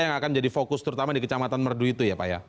yang akan jadi fokus terutama di kecamatan merdu itu ya pak ya